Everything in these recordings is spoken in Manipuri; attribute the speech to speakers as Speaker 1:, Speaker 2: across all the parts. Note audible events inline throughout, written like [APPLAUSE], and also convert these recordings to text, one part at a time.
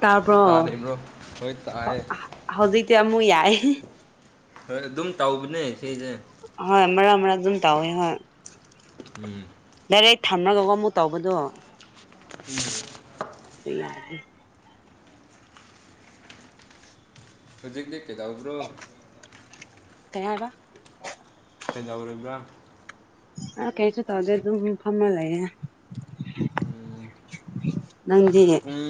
Speaker 1: ꯇꯥ꯭ꯕꯔꯣ
Speaker 2: ꯇꯥꯔꯤꯕ꯭ꯔꯣ ꯍꯣꯏ ꯇꯥꯏꯌꯦ
Speaker 1: ꯍꯧꯖꯤꯛꯇꯤ ꯑꯃꯨꯛ ꯌꯥꯢ
Speaker 2: ꯍꯣꯏ ꯑꯗꯨꯝ ꯇꯧꯕꯅꯦ ꯁꯤꯁꯦ
Speaker 1: ꯍꯣꯏ ꯃꯔꯛ ꯃꯔꯛ ꯑꯗꯨꯝ ꯇꯧꯋꯤ ꯍꯣꯏ
Speaker 2: ꯎꯝ
Speaker 1: ꯗꯥꯏꯔꯦꯛ ꯊꯝꯃꯒ ꯑꯃꯨꯛ ꯇꯧꯕꯗꯣ
Speaker 2: ꯎꯝ
Speaker 1: ꯌꯥꯔ [UNINTELLIGIBLE]
Speaker 2: ꯍꯧꯖꯤꯛꯇꯤ ꯀꯩꯗꯧꯕ꯭ꯔꯣ
Speaker 1: ꯀꯩ ꯍꯥꯏꯕꯥ
Speaker 2: ꯀꯩꯗꯧꯔꯤꯕ꯭ꯔꯥ
Speaker 1: ꯑ ꯀꯩꯁꯨ ꯇꯧꯗꯦ ꯑꯗꯨꯝ ꯐꯝꯃ ꯂꯩꯌꯦ
Speaker 2: ꯎꯝ
Speaker 1: ꯎ [INAUDIBLE] ꯅꯪꯗꯤ
Speaker 2: ꯄꯨꯡ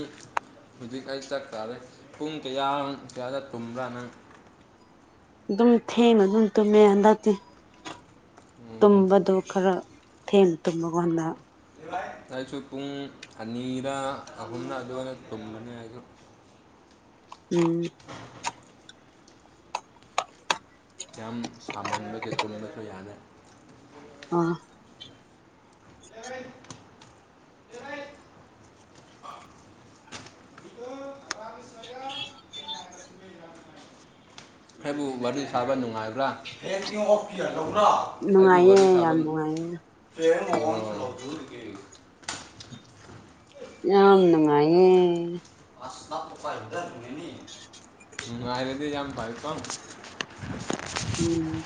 Speaker 2: ꯍꯧꯖꯤꯛ ꯑꯩ ꯆꯥꯛ ꯆꯥꯔꯦ ꯄꯨꯡ ꯀꯌꯥ ꯀꯌꯥꯗ ꯇꯨꯝꯕ꯭ꯔꯥ ꯅꯪ
Speaker 1: ꯑꯗꯨꯝ ꯊꯦꯡꯉꯅ ꯑꯗꯨꯝ ꯇꯨꯝꯃꯦ ꯍꯟꯗꯛꯇꯤ
Speaker 2: ꯎꯝ
Speaker 1: ꯇꯨꯝꯕꯗꯣ ꯈꯔ ꯊꯦꯡꯅ ꯇꯨꯝꯕꯒꯥꯟꯗ
Speaker 2: ꯑꯩꯁꯨ ꯄꯨꯡ ꯑꯅꯤꯔ ꯑꯍꯨꯝꯅ ꯑꯗꯨꯒꯥꯟꯗ ꯇꯨꯝꯕꯅꯦ ꯑꯩꯁꯨ
Speaker 1: ꯎꯝ
Speaker 2: ꯌꯥꯝ ꯁꯥꯃꯟꯕꯒꯤ ꯇꯨꯝꯕꯁꯨ ꯌꯥꯗꯦ
Speaker 1: ꯑꯥ
Speaker 2: ꯍ ꯍꯦ [UNINTELLIGIBLE] [UNINTELLIGIBLE] ꯑꯩꯕꯨ ꯋꯥꯔꯤ ꯁꯥꯕ ꯅꯨꯡꯉꯥꯏꯕ ꯕ꯭ꯔꯥ ꯑꯩꯕꯨ
Speaker 1: ꯅꯨꯡꯉꯥꯏꯌꯦ
Speaker 2: ꯋꯥꯔꯤ ꯁꯕꯥ
Speaker 1: ꯌꯥꯝ ꯅꯨꯡꯉꯥꯏꯌꯦ
Speaker 2: ꯑꯝ [UNINTELLIGIBLE] [UNINTELLIGIBLE]
Speaker 1: ꯌꯥꯝ ꯅꯨꯡꯉꯥꯏꯌꯦ
Speaker 2: [UNINTELLIGIBLE] ꯅꯨꯡꯉꯥꯏꯔꯗꯤ ꯌꯥꯝ ꯐꯩꯀꯣ
Speaker 1: ꯎꯝ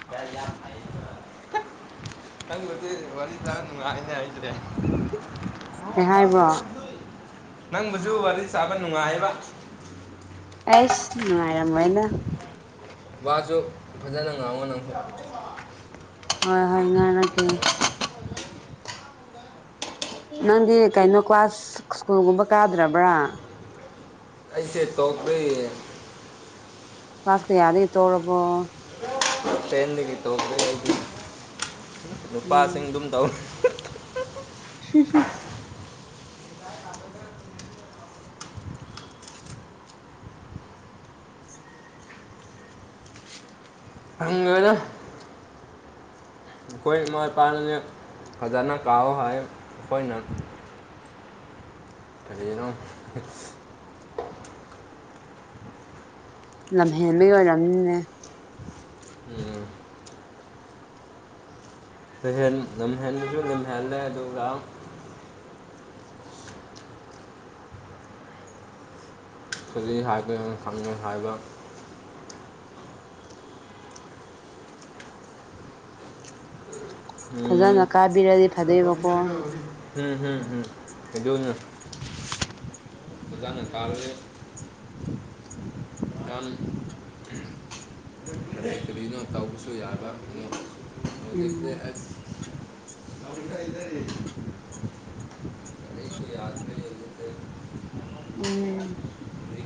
Speaker 2: [UNINTELLIGIBLE] ꯅꯪꯅꯗꯤ ꯋꯥꯔꯤ ꯇꯥꯔ ꯅꯨꯡꯉꯥꯏꯅꯦ [UNINTELLIGIBLE]
Speaker 1: ꯀꯩ ꯍꯥꯏꯕꯥ
Speaker 2: ꯅꯪꯕꯨꯁꯨ ꯋꯥꯔꯤ ꯁꯥꯕ ꯅꯨꯡꯉꯥꯏꯌꯦꯕ
Speaker 1: ꯑꯦꯁ ꯅꯨꯡꯉꯥꯏꯔꯝꯃꯣꯏꯅ
Speaker 2: ꯋꯥꯖꯨ ꯐꯖꯟꯅ ꯉꯥꯡꯉꯣ ꯅꯪꯁꯨ
Speaker 1: ꯍꯣꯏ ꯍꯣꯏ ꯉꯥꯡꯔꯛꯀꯦ ꯅꯪꯗꯤ ꯀꯩꯅꯣ ꯀ꯭ꯂꯥꯁ ꯁ꯭ꯀꯨꯜꯒꯨꯝꯕ ꯀꯥꯗ꯭ꯔꯕ꯭ꯔꯥ
Speaker 2: ꯑꯩꯁꯦ ꯇꯣꯛꯂꯦ
Speaker 1: ꯀ꯭ꯂꯥꯁ ꯀꯌꯥꯗꯩ ꯇꯣꯛꯔꯕ꯭ꯔꯣ
Speaker 2: ꯇꯦꯟꯗꯒꯤ ꯇꯣꯛꯂꯦ ꯑꯩꯗꯤ
Speaker 1: ꯎꯝ
Speaker 2: ꯅꯨꯄꯥꯁꯤꯡ ꯑꯗꯨꯝ ꯇꯧ
Speaker 1: [UNINTELLIGIBLE]
Speaker 2: ꯈꯪꯗ꯭ꯔꯦꯗ ꯑꯈꯣꯏ ꯏꯃꯥ ꯏꯄꯥꯅꯅꯦ ꯐꯖꯟꯅ ꯀꯥꯥꯎꯋꯣ ꯍꯥꯏꯌꯦ ꯈꯣꯏꯅ ꯀꯔꯤꯅꯣ
Speaker 1: ꯂꯝꯍꯦꯟꯕꯩ ꯑꯣꯏꯔꯝꯅꯤꯅꯦ
Speaker 2: ꯎꯝ [UNINTELLIGIBLE] ꯂꯝꯍꯦꯟꯕꯁꯨ ꯂꯝꯍꯦꯜꯂꯦ ꯑꯗꯨꯒ ꯀꯔꯤ ꯍꯥꯏꯕꯅꯣ ꯈꯪꯗꯦ ꯍꯥꯏꯕ ꯎꯝ [UNINTELLIGIBLE]
Speaker 1: ꯐꯖꯅ ꯀꯥꯕꯤꯔꯗꯤ ꯐꯗꯣꯏꯕꯀꯣ
Speaker 2: ꯍꯨꯝ ꯍꯨꯝ ꯍꯨꯝ ꯑꯗꯨꯅꯦ ꯑꯣꯖꯥꯅ ꯇꯥꯕꯗꯤ ꯌꯥꯝ ꯀꯔꯤ ꯀꯔꯤꯅꯣ ꯇꯧꯕꯁꯨ ꯌꯥꯕ ꯍꯧꯖꯤꯛꯁꯦ
Speaker 1: ꯎꯝ
Speaker 2: ꯑꯁ [INAUDIBLE]
Speaker 1: ꯎꯝ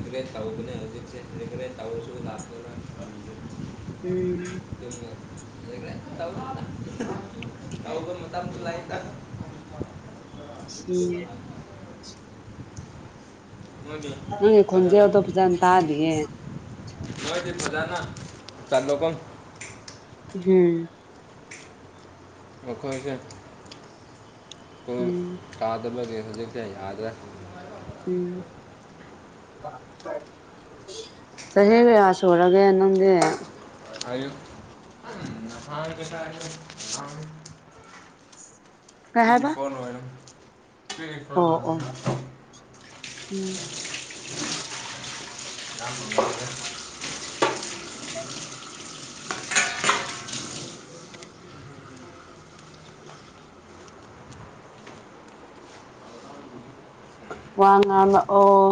Speaker 2: ꯔꯤꯒ꯭ꯔꯦꯠ ꯇꯧꯕꯅꯦ ꯍꯧꯖꯤꯛꯁꯦ ꯔꯤꯒ꯭ꯔꯦꯠ ꯇꯧꯔꯁꯨ [UNINTELLIGIBLE]
Speaker 1: ꯎꯝ
Speaker 2: [UNINTELLIGIBLE]
Speaker 1: ꯎꯝ
Speaker 2: ꯃꯣꯏꯗꯤ
Speaker 1: ꯅꯪꯒꯤ
Speaker 2: ꯐꯖꯅ
Speaker 1: ꯈꯣꯟꯖꯦꯜꯗꯣ ꯐꯖꯟ ꯇꯥꯗꯤꯌꯦ
Speaker 2: ꯅꯣꯏꯗꯤ ꯐꯖꯟꯅ ꯇꯝꯃꯣꯀꯣ
Speaker 1: ꯎꯝ
Speaker 2: ꯅꯈꯣꯏꯖꯦ
Speaker 1: ꯎꯝ
Speaker 2: ꯀꯥꯗꯕꯒꯤ ꯍꯧꯖꯤꯛꯁꯦ ꯌꯥꯗ꯭ꯔꯦ
Speaker 1: ꯎꯝ ꯆꯍꯤ ꯀꯌꯥ ꯁꯨꯔꯒꯦ ꯅꯪꯒꯤ
Speaker 2: [UNINTELLIGIBLE]
Speaker 1: ꯀꯩ
Speaker 2: ꯅꯪ
Speaker 1: ꯍꯥꯏꯕ
Speaker 2: ꯗꯤꯐꯣ ꯂꯣꯏꯔꯝ
Speaker 1: ꯑꯣ ꯑꯣ ꯎꯝ
Speaker 2: [UNINTELLIGIBLE] [UNINTELLIGIBLE]
Speaker 1: [INAUDIBLE] ꯋꯥ ꯉꯥꯡꯔꯛꯑꯣ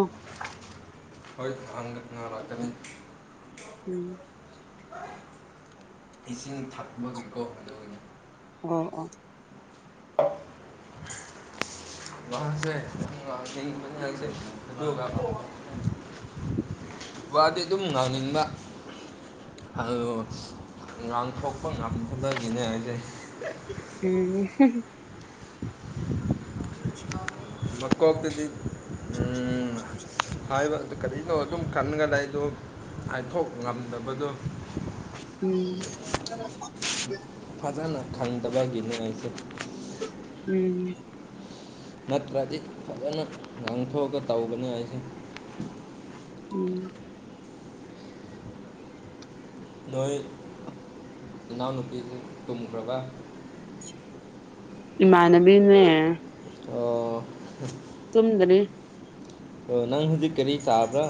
Speaker 2: ꯍꯣꯏ ꯐꯪ ꯉꯥꯡꯔꯛꯀꯅꯤ
Speaker 1: ꯎꯝ
Speaker 2: ꯏꯁꯤꯡ ꯊꯛꯄꯒꯤꯀꯣ
Speaker 1: ꯑꯣ ꯑꯣ
Speaker 2: ꯋꯥꯁꯦ [UNINTELLIGIBLE] ꯋꯥꯗꯤ ꯑꯗꯨꯝ ꯉꯥꯡꯅꯤꯡꯕ ꯍꯜꯂꯣ ꯉꯥꯡꯊꯣꯛꯄ ꯉꯝꯗꯕꯒꯤꯅꯦ ꯍꯥꯏꯁꯦ
Speaker 1: ꯎꯝ
Speaker 2: ꯃꯀꯣꯛꯇꯗꯤ ꯎꯝ ꯍꯥꯏꯕ ꯑꯗꯨ ꯀꯔꯤꯅꯣ ꯑꯗꯨꯝ ꯀꯟꯂꯒ ꯂꯩꯗꯣ ꯍꯥꯏꯊꯣꯛ ꯉꯝꯗꯕꯗꯣ
Speaker 1: ꯎꯝ [UNINTELLIGIBLE]
Speaker 2: ꯐꯖꯅꯥ ꯈꯪꯗꯕꯒꯤꯅꯤ ꯑꯩꯁꯦ
Speaker 1: ꯎꯝ
Speaker 2: ꯅꯠꯇ꯭ꯔꯗꯤ ꯐꯖꯅꯥ ꯉꯥꯡꯊꯣꯛꯑꯒ ꯇꯧꯒꯅꯤ ꯑꯩꯁꯦ
Speaker 1: ꯎꯝ
Speaker 2: ꯅꯣꯏ ꯏꯅꯥꯎꯅꯨꯄꯤꯗꯤ ꯇꯨꯝꯈ꯭ꯔꯕꯥ
Speaker 1: ꯏꯃꯥꯟꯅꯕꯤꯅꯦ ꯇꯨꯝꯗꯔꯤ
Speaker 2: ꯑꯣ ꯅꯪ ꯍꯧꯖꯤꯛ ꯀꯔꯤ ꯆꯥꯕ꯭ꯔꯥ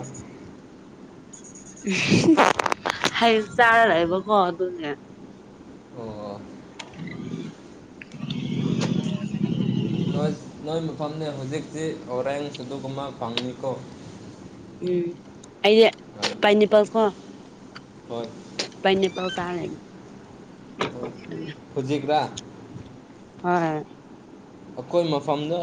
Speaker 1: ꯍꯩ ꯆꯥꯔ ꯂꯩꯕꯀꯣ ꯑꯗꯨꯒꯤ
Speaker 2: ꯑꯣ
Speaker 1: [UNINTELLIGIBLE]
Speaker 2: ꯅꯣꯏ ꯃꯐꯝꯗꯤ ꯍꯧꯖꯤꯛꯇꯤ ꯑꯣꯔꯦꯟꯁ ꯑꯗꯨꯝꯃꯥ ꯐꯪꯅꯤꯀꯣ
Speaker 1: ꯎꯝ ꯑꯩꯗꯤ
Speaker 2: ꯑꯗꯨ
Speaker 1: ꯄꯥꯏꯅꯦꯄꯜ꯭ꯁ ꯀꯣ
Speaker 2: ꯍꯣꯏ
Speaker 1: ꯄꯥꯏꯅꯦꯄꯜ꯭ꯁ ꯆꯥꯔ ꯂꯩꯅꯤ ꯑꯗꯨꯒꯤ
Speaker 2: ꯍꯨꯖꯤꯛꯔꯥ
Speaker 1: ꯍꯣꯏ
Speaker 2: ꯑꯩꯈꯣꯏ ꯃꯐꯝꯗ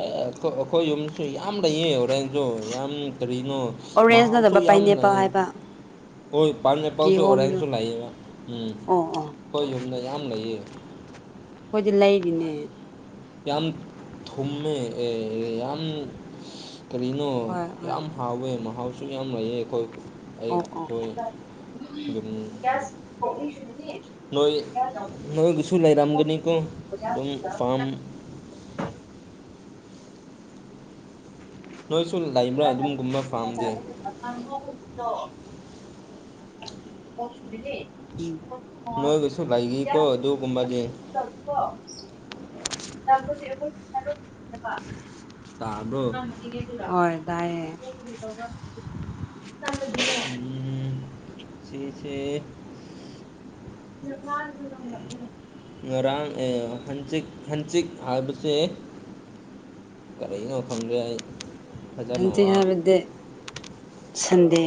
Speaker 2: ꯑꯩꯈꯣꯏ ꯌꯨꯝꯁꯨ ꯌꯥꯝ ꯂꯩꯌ ꯍꯣꯔꯦꯟ ꯗꯣ ꯌꯥꯝ ꯀꯔꯤꯅꯣ
Speaker 1: ꯑꯣꯔꯦꯟꯖ
Speaker 2: ꯃꯍꯥꯎꯁꯨ
Speaker 1: ꯅꯠꯇꯕ
Speaker 2: ꯌꯥꯝ
Speaker 1: ꯄꯥꯏꯅꯦꯄꯜ
Speaker 2: ꯂꯩꯌ‌ꯦ
Speaker 1: ꯍꯥꯏꯕ
Speaker 2: ꯍꯣꯏ ꯄꯥꯏꯅꯦꯄꯜꯁꯨ
Speaker 1: ꯀꯤꯍꯣꯝꯗꯣ
Speaker 2: ꯑꯣꯔꯦꯟꯖꯁꯨ ꯂꯩꯌꯦꯕ ꯎꯝ
Speaker 1: ꯑꯣ ꯑꯣ
Speaker 2: ꯈꯣꯏ ꯌꯨꯝꯗ ꯌꯥꯝ ꯂꯩꯌꯦ
Speaker 1: ꯑꯈꯣꯏꯗꯤ ꯂꯩꯔꯤꯅꯦ
Speaker 2: ꯌꯥꯝ ꯊꯨꯝꯃꯦ ꯑꯦ ꯌꯥꯝ ꯀꯔꯤꯅꯣ
Speaker 1: ꯍꯣꯏ ꯍꯣꯏ
Speaker 2: ꯌꯥꯝ ꯍꯥꯎꯋꯦ ꯃꯍꯥꯎꯁꯨ ꯌꯥꯝ ꯂꯩꯌꯦ ꯑꯈꯣꯏ
Speaker 1: ꯑꯣ
Speaker 2: ꯌꯨꯝ
Speaker 1: ꯑꯣ ꯑꯣ
Speaker 2: ꯅꯣꯏ ꯅꯣꯏꯒꯤꯁꯨ ꯂꯩꯥꯏꯔꯝꯒꯅꯤꯀꯣ ꯑꯗꯨꯝ ꯐꯥꯝ ꯅꯣꯏꯁꯨ ꯂꯩꯕ꯭ꯔꯥ ꯑꯗꯨꯝꯒꯨꯝꯕ ꯐꯥꯝꯗꯤ
Speaker 1: [UNINTELLIGIBLE]
Speaker 2: ꯅꯣꯏꯒꯤꯁꯨ ꯂꯩꯥꯔꯤꯀꯣ ꯑꯗꯨꯒꯨꯝꯕꯗꯤ
Speaker 1: [UNINTELLIGIBLE]
Speaker 2: ꯇꯥꯕ꯭ꯔꯣ
Speaker 1: ꯍꯣꯏ ꯇꯥꯏꯌꯦ
Speaker 2: ꯎꯝ ꯁꯤꯁꯦ
Speaker 1: [UNINTELLIGIBLE]
Speaker 2: ꯉꯔꯥꯡ ꯑꯦ ꯍꯟꯆꯤꯛ ꯍꯟꯆꯤꯛ ꯍꯥꯏꯕꯁꯦ ꯀꯥꯔꯤꯅꯣ ꯈꯪꯗ꯭ꯔꯦ ꯑꯩ ꯐꯖꯅ
Speaker 1: ꯍꯪꯖꯤꯠ
Speaker 2: ꯋꯥ
Speaker 1: ꯍꯥꯏꯕꯗꯤ ꯁꯟꯗꯦ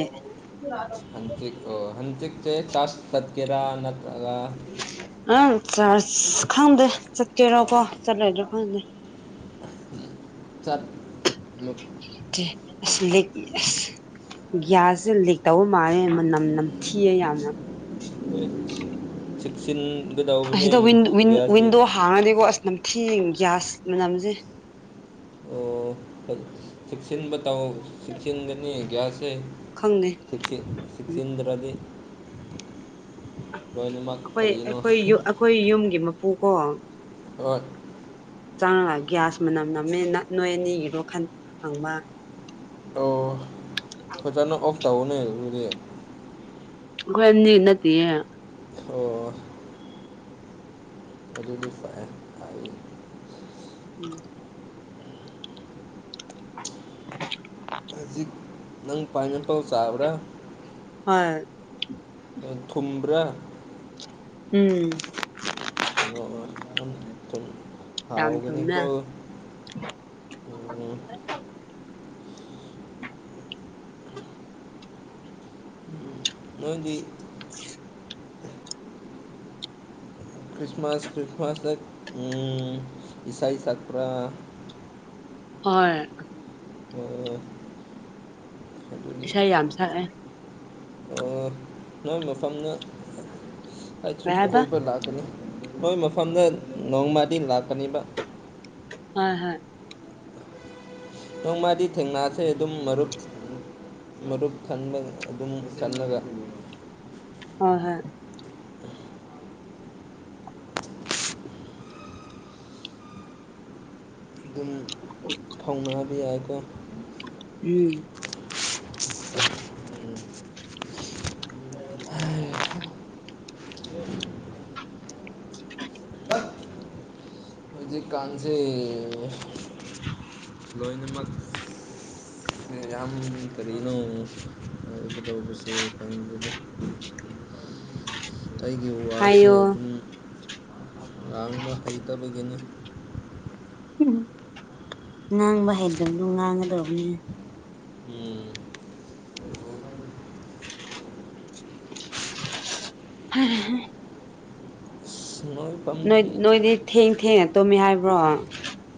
Speaker 2: ꯍꯟꯆꯤꯛ ꯑꯣ ꯍꯟꯆꯤꯛꯆꯦ ꯆꯥꯁ ꯆꯠꯀꯦꯔꯥ ꯅꯠꯇ꯭ꯔꯒ
Speaker 1: ꯑꯪ ꯆꯥꯔ꯭ꯁ ꯈꯪꯗꯦ ꯆꯠꯀꯦꯔꯥꯀꯣ ꯆꯠꯂꯣꯏꯗ꯭ꯔ ꯈꯪꯗꯦ
Speaker 2: ꯆꯠ
Speaker 1: [UNINTELLIGIBLE] ꯒ꯭ꯌꯥꯁꯁꯦ ꯂꯤꯛ ꯇꯧꯕ ꯃꯥꯜꯂꯦ ꯃꯅꯝ ꯅꯝꯊꯤꯌꯦ ꯌꯥꯝꯅ
Speaker 2: ꯆꯦꯛꯁꯤꯟꯒꯗꯥꯎꯕꯅꯦ
Speaker 1: ꯑꯁꯤꯗ ꯋꯤꯟ ꯋꯤꯟ
Speaker 2: ꯒ꯭ꯌꯥꯁꯇꯤ
Speaker 1: ꯋꯤꯟꯗꯣ ꯍꯥꯡꯉꯗꯤꯀꯣ ꯑꯁ ꯅꯝꯊꯤ ꯒ꯭ꯌꯥꯁ ꯃꯅꯝꯁꯦ
Speaker 2: ꯑꯣ ꯆꯦꯛꯁꯤꯟꯕ ꯇꯥꯑꯣ ꯁꯤꯁꯤꯒꯥꯅꯤ ꯒ꯭ꯁꯦ
Speaker 1: ꯈꯪꯗꯦ
Speaker 2: ꯁꯤꯁꯤ ꯁꯤꯁꯤꯆꯗ꯭ꯔꯗꯤ
Speaker 1: ꯑꯩꯈꯣꯏ
Speaker 2: ꯀꯔꯤꯅꯣ
Speaker 1: ꯑꯩꯈꯣꯏ ꯑꯩꯈꯣꯏ ꯌꯨꯝꯒꯤ ꯃꯄꯨ ꯀꯣ
Speaker 2: ꯑꯣ
Speaker 1: ꯆꯪꯉꯒ ꯒ꯭ꯌꯥꯁ ꯃꯅꯝ ꯅꯝꯃꯦ ꯅꯣꯏ ꯑꯅꯤꯒꯤꯔꯣ ꯈ ꯍꯪꯕ
Speaker 2: ꯑꯣ
Speaker 1: [UNINTELLIGIBLE]
Speaker 2: ꯐꯖꯥꯅ ꯑꯣꯐ ꯇꯑꯣꯅꯦ [UNINTELLIGIBLE]
Speaker 1: ꯑꯩꯈꫭꯏ ꯑꯅꯤꯒꯤ ꯟꯇꯦ
Speaker 2: ꯑꯣ ꯑꯗꯨꯗꯤ ꯐꯥꯏꯟ ꯍꯥꯏ
Speaker 1: ꯎꯝ
Speaker 2: ꯍꯧꯖꯤꯛ ꯅꯪ ꯄꯤꯅꯦꯥꯞꯞꯂꯦ ꯆꯥꯕ꯭ꯔꯥ
Speaker 1: ꯍꯣꯏ
Speaker 2: ꯊꯨꯝꯕ꯭ꯔꯥ
Speaker 1: ꯎꯝ
Speaker 2: ꯑꯗꯨꯒ ꯑꯗꯨꯝ ꯑꯗꯨꯨꯝ [UNINTELLIGIBLE]
Speaker 1: ꯌꯥꯝꯝ ꯊꯨꯃꯦ
Speaker 2: ꯅꯣꯏꯗꯤ ꯈ꯭ꯔꯤꯁꯃꯥꯁ ꯈ꯭ꯔꯤꯁꯃꯥꯁꯗ ꯎꯟ ꯑꯦꯁꯩ ꯁꯛꯄꯔꯥ
Speaker 1: ꯍꯣꯏ
Speaker 2: [UNINTELLIGIBLE] ꯑꯗꯨ
Speaker 1: ꯏꯁꯩꯥ ꯌꯥꯝ ꯁꯛꯑꯦ
Speaker 2: ꯑꯣ ꯅꯣꯏ ꯃꯐꯝꯅ ꯑꯩꯁꯨ
Speaker 1: ꯀꯩ ꯍꯥꯏꯕ
Speaker 2: ꯀꯣꯏꯕ ꯂꯥꯛꯀꯅꯤ ꯅꯣꯏ ꯃꯐꯝꯗ ꯅꯣꯡꯃꯗꯤ ꯂꯥꯛꯀꯅꯤꯕ
Speaker 1: ꯍꯣꯏ ꯍꯣꯏ
Speaker 2: ꯅꯣꯡꯃꯗꯤ ꯊꯦꯡꯅꯥꯁꯦ ꯑꯗꯨꯝ ꯃꯔꯨꯞ ꯃꯔꯨꯞ ꯈꯟꯕ ꯑꯗꯨꯝ ꯈꯜꯂꯒ
Speaker 1: ꯍꯣꯏ ꯍꯣꯏ
Speaker 2: ꯄꯨꯜ ꯐꯧꯅꯥꯕ ꯌꯥꯏꯑꯀꯣ
Speaker 1: ꯎꯝ
Speaker 2: ꯑꯍꯥ ꯍꯩꯍꯥ
Speaker 1: [INAUDIBLE]
Speaker 2: ꯍꯧꯖꯤꯛꯀꯥꯟꯁꯤ ꯂꯣꯏꯅꯃꯛ ꯀꯔꯤ ꯌꯥꯝ ꯀꯔꯤꯅꯣ ꯍꯥꯏꯒꯗꯧ ꯕꯁꯦ ꯈꯪꯗꯔꯦꯗꯥ ꯑꯩꯒꯤ ꯋꯥꯁꯦ
Speaker 1: ꯍꯥꯏꯌꯣ
Speaker 2: ꯑꯗꯨꯝ ꯉꯥꯡꯕ ꯍꯩꯇꯕꯒꯤꯅꯤ
Speaker 1: ꯎꯝ ꯉꯥꯡꯕ ꯍꯥꯏꯩꯗꯕꯗꯨ ꯉꯥꯡꯒꯗꯕꯅꯦ ꯍ [UNINTELLIGIBLE]
Speaker 2: ꯁꯨꯃꯥꯏ [UNINTELLIGIBLE]
Speaker 1: ꯅꯣꯏ ꯅꯣꯏꯗꯤ ꯊꯦꯡ ꯊꯦꯡꯅ ꯇꯨꯝꯃꯤ ꯍꯥꯏꯕ꯭ꯔꯣ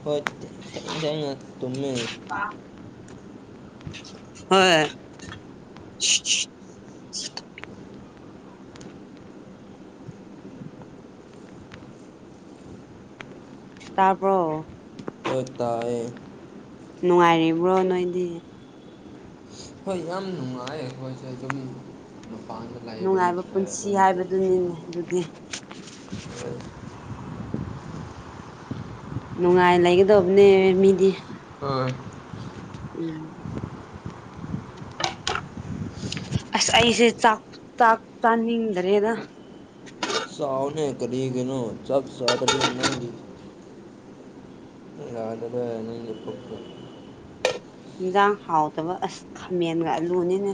Speaker 2: ꯍꯣꯏ ꯊꯦꯟ ꯊꯪꯟ ꯇꯨꯝꯃꯤ
Speaker 1: ꯄꯥ [UNINTELLIGIBLE] ꯍꯣꯏ [INAUDIBLE] ꯇꯥꯕ꯭ꯔꯣ
Speaker 2: ꯑꯣꯏ ꯇꯌꯦ
Speaker 1: ꯅꯨꯡꯉꯥꯏꯔꯤꯕ꯭ꯔꯣ ꯅꯣꯏꯗꯤ
Speaker 2: ꯍꯣꯏ ꯌꯥꯝ ꯅꯨꯡꯉꯥꯏ ꯑꯩꯈꯣꯏꯁꯦ ꯆꯨꯝꯃꯤ [UNINTELLIGIBLE] ꯃꯄꯥꯟꯗ ꯂꯕ
Speaker 1: ꯅꯨꯡꯉꯥꯏꯕ
Speaker 2: [UNINTELLIGIBLE]
Speaker 1: ꯄꯨꯟꯁꯤ
Speaker 2: ꯑꯗꯨꯝ
Speaker 1: ꯍꯥꯏꯕꯗꯨꯅꯤꯅꯦ ꯑꯗꯨꯗꯤ
Speaker 2: [UNINTELLIGIBLE]
Speaker 1: ꯅꯨꯡꯉꯥꯏ ꯂꯩꯒꯗꯧꯕꯅꯦ ꯃꯤꯗꯤ
Speaker 2: ꯍꯣꯢ
Speaker 1: [INAUDIBLE] ꯑꯁ ꯑꯩꯁꯦ ꯆꯥꯛ ꯆꯥꯛ ꯆꯥꯅꯤꯡꯗ꯭ꯔꯦꯗ
Speaker 2: ꯆꯥꯎꯅꯦ ꯀꯔꯤꯒꯤꯅꯣ ꯆꯛ ꯆꯗ [UNINTELLIGIBLE] ꯅꯪꯒꯤ [UNINTELLIGIBLE]
Speaker 1: ꯏꯟꯖꯥꯡ ꯍꯥꯎꯇꯕ ꯑꯁ ꯈꯥꯃꯦꯟꯒ ꯑꯂꯨꯅꯤꯅꯦ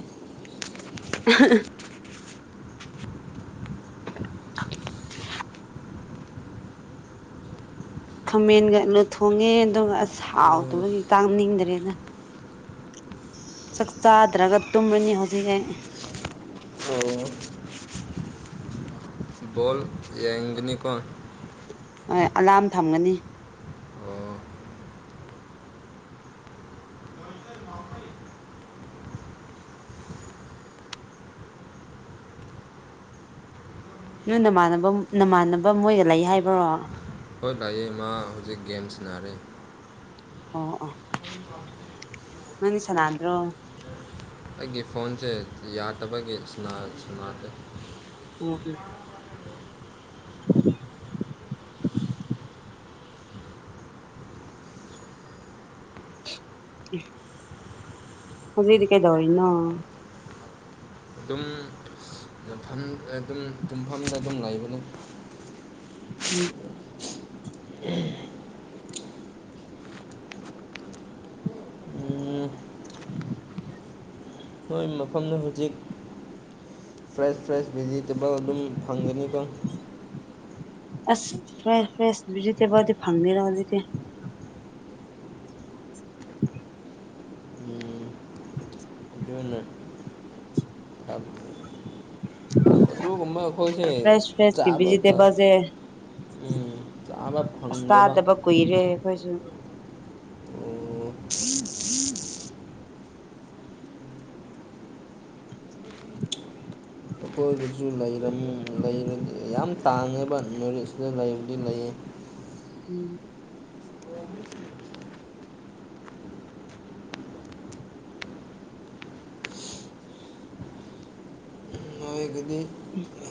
Speaker 1: [INAUDIBLE] ꯈꯥꯃꯦꯟꯒ ꯑꯂꯨ ꯊꯣꯡꯉꯦ ꯑꯗꯨꯒ ꯑꯁ ꯍꯥꯎꯇꯕꯒꯤ ꯆꯥꯅꯤꯡꯗ꯭ꯔꯦꯗ ꯆꯥꯛ ꯆꯥꯗ꯭ꯔꯒ ꯇꯨꯝꯃꯅꯤ ꯍꯧꯖꯤꯛ ꯑꯩ
Speaker 2: ꯑꯣ ꯕꯣꯜ ꯌꯦꯡꯒꯅꯤꯀꯣ
Speaker 1: ꯍꯣꯏ ꯑꯂꯥꯝ ꯊꯝꯒꯅꯤ
Speaker 2: ꯑꯣ
Speaker 1: ꯅꯣꯏ ꯅꯃꯥꯟꯅꯕ ꯅꯃꯥꯟꯅꯕ ꯃꯣꯏ ꯂꯩ ꯍꯥꯏꯕ꯭ꯔꯣ
Speaker 2: ꯍꯣꯏ ꯂꯩꯌꯦ ꯃꯥꯥ ꯍꯧꯖꯤꯛ ꯒꯦꯝ ꯁꯟꯅꯔꯤ
Speaker 1: ꯑꯣ ꯑꯣ ꯅꯪꯗꯤ ꯁꯟꯅꯥꯗ꯭ꯔꯣ
Speaker 2: ꯑꯩꯒꯤ ꯐꯣꯟꯁꯦ ꯌꯥꯗꯕꯒꯤ ꯁꯅ ꯁꯟꯅꯥꯗꯦ
Speaker 1: [INAUDIBLE] [INAUDIBLE] [INAUDIBLE] ꯍꯧꯖꯤꯛꯇꯤ ꯀꯩꯗꯧꯔꯤꯅꯣ
Speaker 2: ꯑꯗꯨꯝ ꯑꯗꯨꯝ ꯑꯗꯨꯝ ꯇꯨꯝꯐꯥꯝꯗ ꯑꯗꯨꯝ ꯂꯩꯕꯅꯦ
Speaker 1: ꯎꯝ
Speaker 2: [INAUDIBLE] ꯎꯝ ꯅꯣꯏ ꯃꯐꯝꯗ ꯍꯧꯖꯤꯛ ꯐ꯭ꯔꯦꯁ ꯐ꯭ꯔꯦꯁ ꯚꯤꯖꯤꯠ ꯇꯦꯕꯜ ꯑꯗꯨꯝ ꯐꯪꯒꯅꯤꯀꯣ
Speaker 1: ꯑꯁ ꯐ꯭ꯔꯦꯁ ꯐ꯭ꯔꯦꯁ ꯚꯤꯖꯤꯇꯦꯕꯜꯗꯤ ꯐꯪꯗꯦꯗ ꯍꯧꯖꯤꯛꯇꯤ
Speaker 2: ꯎꯝ
Speaker 1: [INAUDIBLE]
Speaker 2: [INAUDIBLE]
Speaker 1: [INAUDIBLE]
Speaker 2: ꯑꯗꯨꯒꯨꯝꯕ ꯑꯩꯈꯣꯢꯁꯦ
Speaker 1: ꯐ꯭ꯔꯦꯁ ꯐ꯭ꯔꯦꯁꯀꯤ
Speaker 2: ꯆꯕꯇ
Speaker 1: ꯚꯤꯖꯤꯇꯦꯕꯜꯁꯦ
Speaker 2: ꯎꯝ ꯆꯥꯕ
Speaker 1: ꯑꯁ
Speaker 2: ꯐꯪꯗꯕ
Speaker 1: ꯆꯥꯗꯕ ꯀꯨꯏꯔꯦ ꯑꯩꯈꯣꯏꯁꯨ
Speaker 2: [INAUDIBLE] ꯑꯩꯈꯣꯏꯗꯁꯨ ꯂꯩꯔꯝꯃꯤ ꯂꯩ ꯌꯥꯝ ꯇꯥꯡꯉꯦꯕ ꯅꯣꯔꯠ ꯏꯁꯇ ꯂꯩꯕꯨꯗꯤ ꯂꯩꯌꯦ
Speaker 1: ꯎꯝ
Speaker 2: [INAUDIBLE] ꯅꯣꯢꯒꯤꯗꯤ
Speaker 1: [INAUDIBLE]